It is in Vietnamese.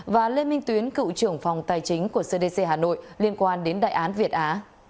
và lê minh tuyến cựu trưởng phòng tài chính của cdc hà nội liên quan đến đại án việt á